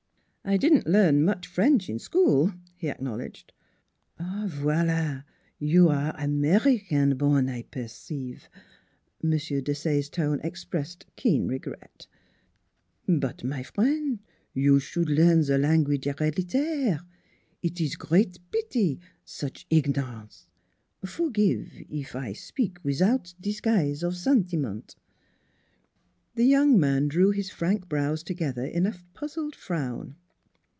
" I didn't learn much French in school," he acknowledged. " Voila! You aire Americaine born, I per ceive." M. Desaye's tone expressed keen regret: " But, my frien', you s'ould learn ze language her edit aire. Eet ees great pitie, such ignorant. Forgive, eef I spik wizout disguise of sentiment." The young man drew his frank brows together in a puzzled frown.